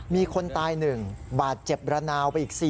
มีคนตายหนึ่งบาดเจ็บระนาวไปอีก๔คน